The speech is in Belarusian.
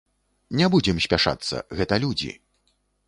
Не будзем спяшацца, гэта людзі.